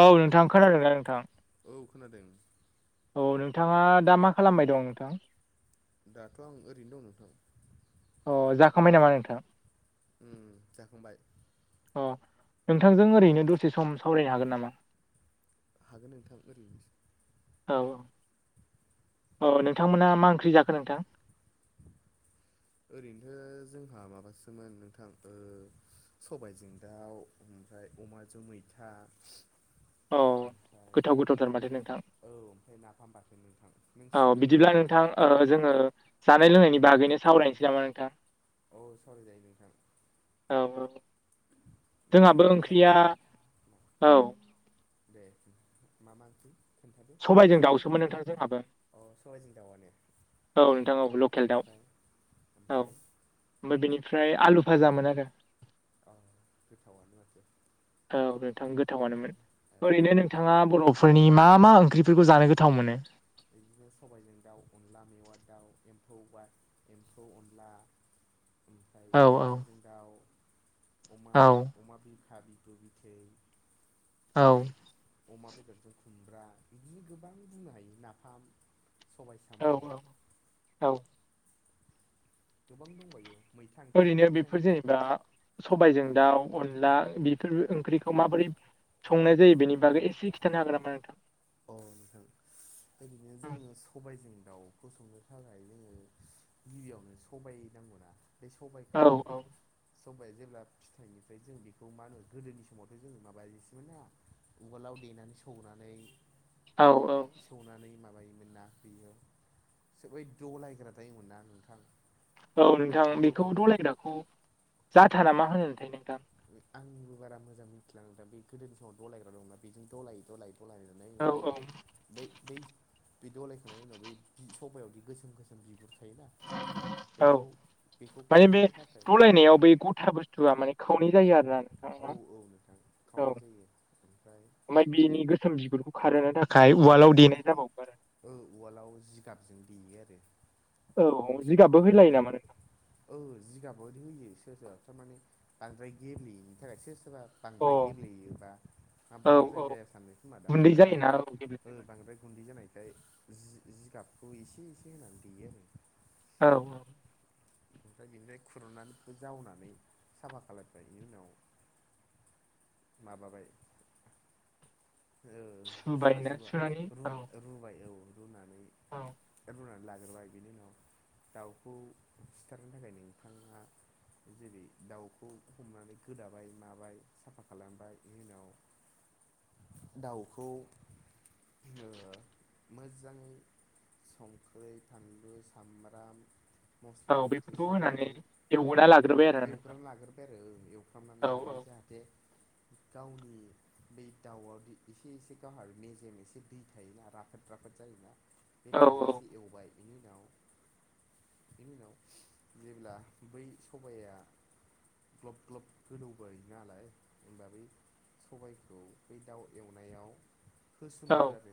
औ नोंथां खोनादों ना नोंथां? औ खोनादों। औ नोंथाङा दा मा खालामबाय दं नोंथां? दाथ' आं ओरैनो दं नोंथां। अ जाखांबाय नामा नोंथां? उम जाखांबाय। अ नोंथांजों ओरैनो दसे सम सावरायनो हागोन नामा? हागोन नोंथां ओरैनोसो औ अ नोंथांमोना मा ओंख्रि जाखो नोंथां? ओरैनोथ' जोंहा माबासोमोन नोंथां ओ सबाइजों दाउ ओमफ्राय अमाजों मैथा। औ ओमफ्राय गोथाव गोथावथार माथो नोंथां औ ओमफ्राय नाफाम बाथोन नोंथां। औ नोंसिनालाय मा बिदिब्ला ओंख्रि नोंथां ओ जोङो जानाय लोंनायनि बागैनो सावरायनोसै नामा नोंथां? औ सावराय जायो नोंथां। औ औ। जोंहाबो नोंस्रालाय मा जाखो? ओंख्रिया औ दे मा मा ओंख्रि खोन्थादो, सबायजों नोंसिनाबोलै दाउसोमोन नोंथां जोंहाबो अ सबाइजों दाउवानो। औ नोंथां औ लकेल दाउ। ओमफ्राय? ओमफाय बेनिफ्राय आलु भाजामोन आरो। अह गोथावानो माथो। औ नोंथां गोथावानोमोन। ए ओरैनो नोंथाङा बर'फो फोरनि मा मा ओंख्रिफोरखौ जानो गोथाव मोनो? बिदिनो सबायजों दाउ, अनला मेवा दाउ, एम्फौ बा एम्फौ अनला ओमफ्राय औ खुमब्राजों दाउ, अमा औ अमा बिखा बिबु बिथै औ ओमफाय अमा बेदरजों खुमब्रा, बिदिनो गोबां बुंनो हायो नाफाम सबाय साम' औ औ गोबां दंबायो। मैथा ओंख्रि ओरैनो मैथा बेफोर जेनेबा सबायजों दाउ, अनला बेफोर ओंख्रिखौ माबोरै संनाय जायो बेनि बागै एसे खिथानो हागोन नामा नोंथां? अ नोंथां ओरैनो जोङो सबायजों दाउखौ संनो थाखाय जोङो गिबियावनो सबाय नांगौना, बे सबायखौ औ औ सबाया जेब्ला फिथाइनिफ्राय जों बेखौ मा होनो गोदोनि समावथ' जोङो माबायोसोमोन ना उवालाव देनानै सौनानै औ औ। सौनानै माबायोमोन ना बैयो बै दलायग्रा थायोमोन ना नोंथां। औ नोंथां गल बेखौ गल औ दलायग्राखौ जाथा नामा होनो मोनथाय नोंथां? [unintelligible] आंबो बारा मोजां मिथिला नोंथां, बे गोदोनि समाव दलायग्रा दंना बेजों दलायै दलायै दलाय नै औ ओमफ्राय बै बै दलायखांनायनि उनाव बै सबायावदि गोसोम गोसोम बिगुर थायोना औ बेखौ बेखौ खारहोनो थाखाय ओम। था बुस्थुआ माने खावनै जायो आरो। औ औ नोंथां खावनै जायो। ओमफ्राय ओमफ्राय बिनि गोसोम बिगुरखौ खारहोनो थाखाय उवालाव देनाय जाबावो आरो। औ उवालाव जिगाबजों देयो आरो। आरो औ जिगाबबो ओमफ्राय होलायो दे नामा नोंथां औ जिगाबावदो होयो सोर सोरबा थारमाने बांद्राय गेब्लेयैनि थाखाय सोर सोरबा बांद्राय अ गेब्लेयोबा औ बांद्राय मोजां औ जाया सानो खोमा दां। गुन्दै ओमफ्राय जायोना बांद्राय औ गेब्लेबाथाय। बांदाय गुन्दै जानायखाय जि-जिगाबखौ एसे एसे होनानै देयो आरो। औ औ। ओमफ्राय बिनिफ्राय खुरनानैबो जावनानै साफा खालायबाय। इनि उनाव माबाबाय ओ सोरबा सुबायना सोरबा सुनानै औ रु-रुबाय औ रुनानै औ। रुनानै लाग्रोबाय बिनि उनाव दाउखौ सिथारनो थाखायनो नोंथाङा जेरै दाउखौ हमनानै गोदाबाय, माबाय साफा खालामबाय, इनि उनाव [inaudible] दाउखौ ओ मोजाङै संख्रै, फानलु, सामब्राम मस्ला औ मस्लि बेफोरखौ सेरनानै होनानै एवना लाग्रोबाय आरो नोंथां एवग्रोना लागोर बाय आरो एवफ्रामनानै लाग्रोबाय औ जाहाते गावनि बै दाउआवदि एसे एसे गावहा मेजेम, एसे दै थायोना राफोद राफोद जायोना, बे औ थाजासे एवबाय बेनि उनाव बेनि उनाव जेब्ला बै सबाया ग्लब ग्लब गोदौबाय नालाय होमबा बै सबायखौ बै दाउ एवनायाव होसनो औ आरो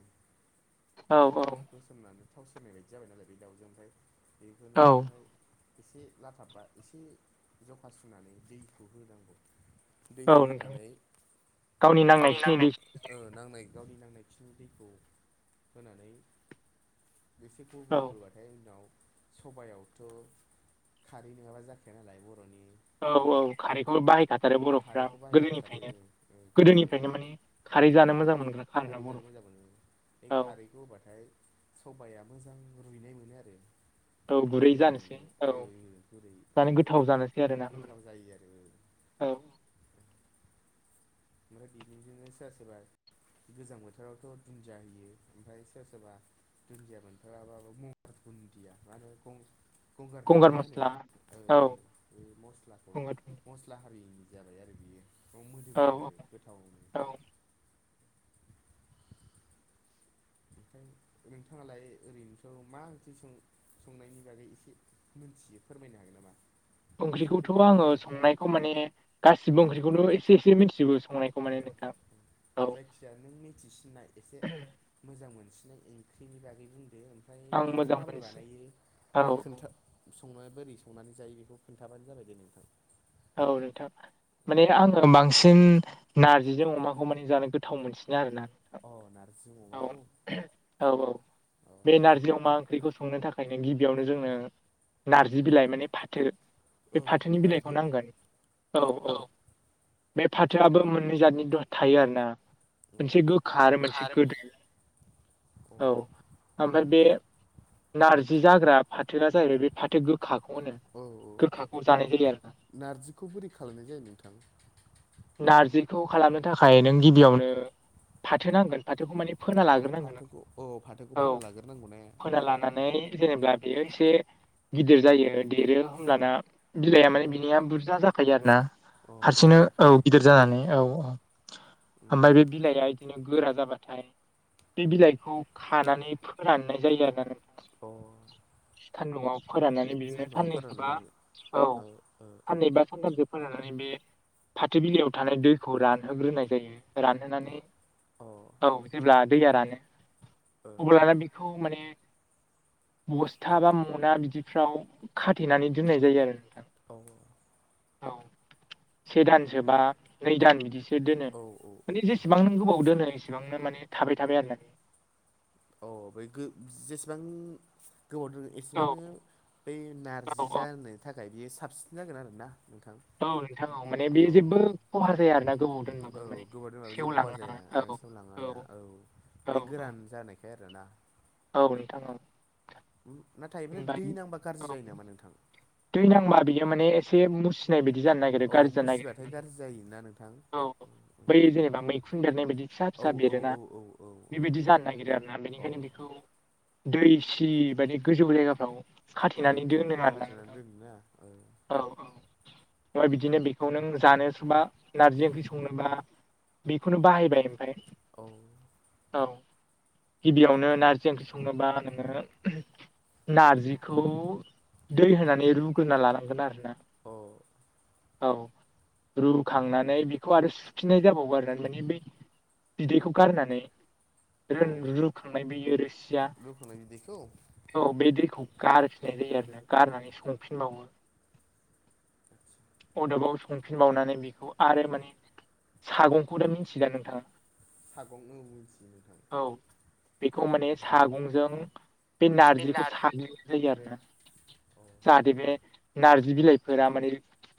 औ औ होसोमनानै थाव सेरनाय बायदि जाबाय नालाय बे दाउजों ओमफ्राय बेखौनो औ थाव एसे लाथाबबा एसे जखा सुनानै दैखौ होनांगौ। औ दैखौ नोंथां होनानै गावनि नांनायखिनि दै नांनायखिनि नांनाय गावनि नांनाय खिनि दैखौ होनानै एसे बा औ हबा ओमफ्राय उनाव सबयावथ' खारै नङाब्ला जाखाया नालाय बर'नि औ खारै औ खारैखौ बाहायखाथारो बर'फ्रा खारैखौ बाहायखाथारो गोदोनिफ्रायनो गोदोनिफ्रायनो। माने खारै औ जानो मोजां मोनग्राखा आरोना खारै जानो बर'फ्रा मोजां मोनो बे औ खारैखौ होबाथाय सबाइया मोजां रुइनाय मोनो आरो औ बोरै गुरै जानाय जानोसै औ मोननाय बोरै जानो ओमफ्राय गोथाव जानोसै आरोना गोथाव जायो आरो औ ओमफ्राय बिदिजोंनो सोरबा सोरबा गोजां बोथोरावथ दुन्दिया होयो ओमफ्राय सोरबा सोरबा दुन्दिया मोनथाराबाबो म गुन्दिया मा होनो गं गुंगार गंगार दुन्दिया होनो मस्ला ना‌ ओ औ ओ बे मस्लाखौ गंगार मस्ला हारियैनि जाबाय आरो बियो राव मोदोमो औ आरो गोथावनो। औ ओमफ्राय नोंथाङालाय ओरैनोथ मा ओंख्रि सं संनायनि बागै एसे मोनथियो फोरमायनो हागोन नामा। एसे ओंख्रिखौथ आङो गोथावनो संनायखौ माने गासिबो ओंख्रि खौनो एसे एसे मिथिजुबो‌ संनायखौ। औ माने नोंथां औ जायखिजाया नों मिथिसिनाय एसे मोजां मोनसिननाय ओंख्रिनि बागै बुंदो। माने आं बेखौ मोजां माबोरै मोनसि बानायो औ खोन्था संनानै बोरै संनानै जायो बेखौ खिन्थाबानो जाबाय दे नोंथां औ नोंथां माने आङो बांसिन नारजिजों अमाखौ माने जानो गोथाव मोनसिनो आरो ना। अ नारजि अमाखौ। औ औ अ बे नारजि अमा ओंख्रिखौ संनो थाखायनो गिबियावनो जोंनो नारजि बिलाइ माने फाथो औ अ नांगोन औ औ बे फाथोआबो मोननै जादनि द थायो आरोना औ मोनसे गोखा आरो मोनसे खार गोदो औ औ ओमफ्राय बे नारजि जाग्रा फाथो जाहैबाय बे फाथो गोखाखौ होनो औ गोखाखौ बे जानाय जायो आरो नारजिखौ बोरै खालामनाय जायो नोंथां नारजिखौ खालामनो थाखाय नों गिबियावनो फाथो नांगोन। फाथौखौ माने फोना औ लाग्रोनांगोन फाथोखौ औ फाथोखौ औ फोना लाग्रोनांगौ ने फोना लानानै जेनेबा बेयो एसे गिदिर जायो देरो होमब्लाना बिलाइया माने औ या बुरजा जाखायो आरो ना औ बुरजा हारसिंनो औ जाखायो गिदिर जानानै औ औ उम ओमफाय बे बिलाइआ इदिनो गोरा जाबाथाय बे उम बिलाइखौ खानानै फोराननाय जायो आरोना‌ नोंथां अ सान्दुंआव फोराननानै बिदिनो सान्दुंआव साननैखौबा फोराननानै औ ओ ओ सानबा सा सानथामसो फोराननानै बे फाथो बिलायाव थानाय दैखौ रानहोग्रोनाय जायो। रानहोनानै ओ औ अ जेब्ला दैया रानो अब्लाना बेखौ माने बसथा बा मना बिदिफ्राव खाथेनानै दोननाय जायो आरो नोंथां औ औ औ से दानसो बा नै दान बिदिसो दोनो औ औ माने औ जेसेबां नों गोबाव दोनो एसेबांनो माने थाबाय थाबाय आरोनानै। अ बेै गो जेसेबां गोबाव दोनो औ एसेबांनो बै औ नारजि जानि थाखाय बेयो साबसिन जागोन आरो ना नोंथां। औ नोंथां‌ औ माने बेयो जेबो खहा जाया आरोना। गोबाव औ दोनबाबो औ माने गोबाव दोनबाबो जेबो खहा सेवलाङा औ जाया सेवलाङानो औ औ बे गोरान जानाय खाय आरोना। औ नोंथां औ। नाथाय ओमफ्राय दै नांबा गाज्रि औ जायो नामा नोंथां? दै नांबा बियो माने एसे मुसि नाय बायदि जानो नागिरो औ गाज्रि जानो नागिरो मुसिबाथाय ओंखायनो गाज्रि जायोना नोंथां औ बै जेनेबा मैखुन बेरनाय बादि फिसा औ फिसा औ बेरोना औ औ औ औ बेबादि नोंथां जानो नागिरो आरोना अ बेनिखायनो बेखौ दै सियि बायदि गोजौ जायगाफ्राव ओ खाथेनानै दोनो आरोना खाथेनानै नोंथां दोनोना औ औ। बा बिदिनो बेखौ नों जानो सोबा नारजि ओंख्रि संनोबा बेखौनो बाहायबाय ओमफाय। औ औ गिबियावनो नारजि ओंख्रि संनोबा नोङो नारजिखौ दै होनानै रुग्रोना लानांगोन आरोना। अ। औ रुखांनानै बेखौ आरो सुफिननाय जाबावो आरोना माने बै बिदैखौ गारनानै रोन रुखांनाय बैयो रोसिया। रनदैखौ? औ बे दैखौ गारफिननाय जायो आरोना गारनानै संफिनबावो। [inaudible] अदाबाव संफिनबावनानै बेखौ आरो माने सागंखौथ' मिथियोदा नोंथांआ सागं औ मिथियो नोंथां औ बेखौ माने सागंजों बे बे नारजिखौ नार साग्लिनाय जायो आरोना। अ जा हाथे बे नारजि बिलाइफोरा माने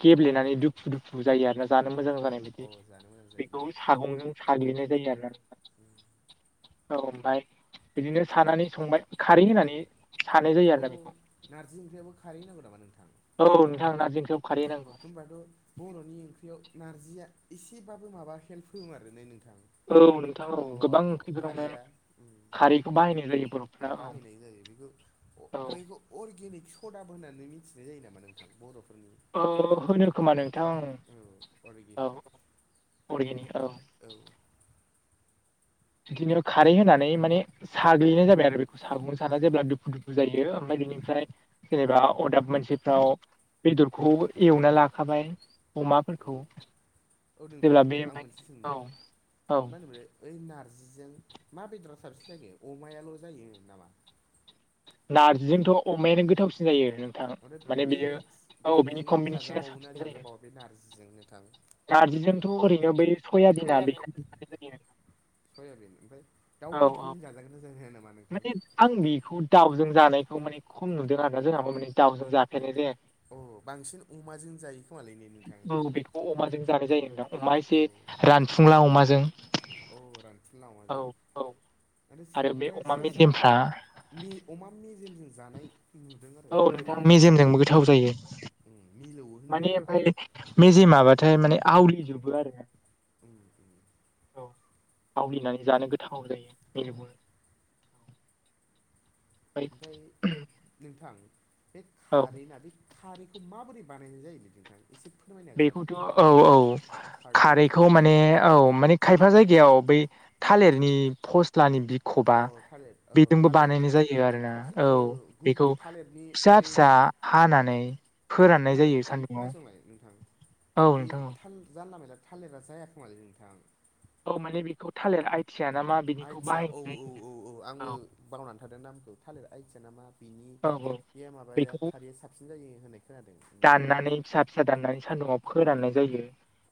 गेब्लेनानै दुु दुफु जायो आरोना जानो मोजां जानाय अ बायदि जानो मोजां जायोना बेखौ सागंजों साग्लिनाय जायो आरोना। औ ओमफ्राय बिदिनो सानानै संबाय खारै होनानै। सानाय जायो अ आरोना बेखौ नार्जि ओंख्रियावबो खारै होनांगौ नामा नोंथां? औ नोंथां नारजि ओंख्रियावबो खारै होनांगौ। होमबाबे बर'नि ओंख्रिया नारजिया एसेबाबो माबा हेल्प होमारो ने नोंथां? औ नोंथां औ माबा गोबां खारैया ओंख्रिफोरावनो उम खारैखौ बाहायनाय जायोथ'। बाहायनाय जायो बेखो अ बैखौ अर्गेनिक सदाबो होननानै मिथिनाय जायो नामा नोंथां बर'फोरनि? ओ होनो खोमा नोंथां ओं औ औ अर्गेनिक अरगेनिक औ। औ बिदिनो खारै होनानै माने साग्लिनाय जाबाय आरो बेखौ साग' साना औ जेब्ला दुफु दुफ जायो ओमफ्राय बिनिफ्राय जेनेबा अदाब मोनसेफ्राव बेदरखौ एवना लाखाबाय औ अमाफोरखौ औ नोंथां जेब्ला बे आं मोनसे सोंनो औ औ। मा होनोमोनलाय ओइ नारजिजों मा बेदरा साबसिन जायो अमायाल' जायो नामा? नारजिजोंनोथ' अमायानो गोथावसिन जायो ओं। आरो बेलेक बेलेकजों कम्बिनेसना जाजाबावोना जाजाबावा बे नारजिजों नोंथां? नार्जिजोंथ' ओरैनो बै सयाबिना बेखौ जानाय जायो। सयाबिन ओमफ्राय दाउ औ औ बेदरजों जाजागोनना जाया नामा नोंथां? माने आं बेखौ दाउजों जानायखौ माने खम नुदों आरोना जोंहाबो माने दाउजों जाफेरनाय जायाखै। अ बांसिन अमाजों जायो खोमालै ने नोंथां। अ-अमाजों जानाय जायो नोंथां अमा औ एसे रानफुंला अमाजों औ रानफुंला औ अमाजों औ आरो सो बे ओमफाय अमा सोरबा सोरबा मेजेमफ्रा मे अमा मेजेमजों जानाय नुदों औ आरो नोंथां मेजेमजोंबो गोथाव जायो उम मिलौवो। होनदों माने नामा ओमफाय मेजेमाबाथाय माने आवलिजोबो आरो। उम उम। औ आवलिनानै जानो गोथाव जायो औ मेलेबुनो। ओमफाय नोंथां बे औ खारै ना बे। खारैखौ माबोरै बानायनाय जायोलै नोंथां? एसे फोरमायनाय बेखौथ' औ औ खारैखौ माने औ माने। खायफा जायगायाव बै थालिरनि फस्लानि बि खबा अ थालिर औ बेजोंबो थालिर बानायनाय जायो आरोना औ ओ गु बेखौ थालिरनि फिसा बे फिसा। हानानै फोराननाय नो जायो खोनासंलाय नोंथां सान्दुंआव। बे थाल जानला मेनला थालिरा जायाखोमालै नोंथां। औ माने बेखौ थालिर आइथिया ना मा। बेनिखौ आइथिया औ बाहायनाय औ औ औ आंबो बावनानै थादों नामखौ थालिर आइथिया ना मा। बिनि या औ बेमाबाया बेखौ खारैया साबसिन जायो होननाय खोनादों। दाननानै फिसा फिसा दाननानै सान्दुं आव फोराननाय जायो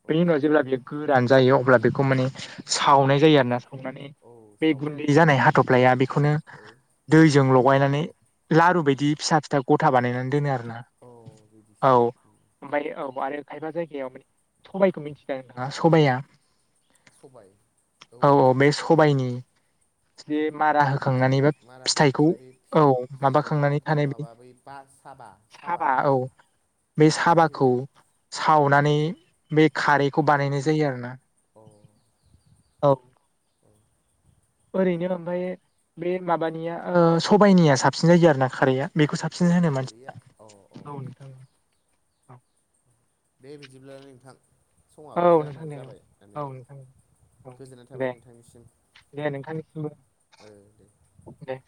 औ बेनि औ जेब्ला बियो।। गोरान जायो अब्ला बेखौ माने सावनाय जायो आरो ना। सावनानै औ बे सावो गुन्दै जानाय हाथफ्लाया बेखौनो। ओ दैजों लगायनानै लारु बायदि फिसा फिथा गथा बानायनानै दोनो आरो ना। औ बिदिसो औ। ओमफ्राय औ आरो खायफा जायगायाव मानि। सबाइखौ मिथियोना नोंथाङा सबायआ सबाय औ औ बे स सबायनि जे मारा होखांनानै बा मारा होखाना फिथाइखौ थानाय बे औ फिथाइ माबाखांनानै गखांनानै थांनाय थानाय बिदि माबा बै बा साबा साबा औ। नामा बे बिदिखौ साबाखौ सावनानै बे खारैखौ बानायनाय जायो आरोना। अ औ अ ओरैनो ओमफायो। बे माबानिया ओ सबायाइनिया साबसिन जायो आरो ना खारैया। बेखौ साबसिन होनो सबाइनि खारैया मानसिफ्रा अ अ औ नोंथां औ। दे बिदिब्ला नोंथां औ समाबो जानो नोंथां दे जाबाय औ आनो। औ नोंथां औ गोजोननाय थाबाय दे नोंथांनिसिम दे नोंथांनिसिमबो औ दे। दे।